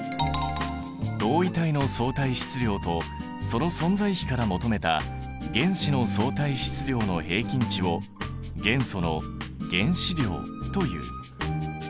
同位体の相対質量とその存在比から求めた原子の相対質量の平均値を元素の原子量という。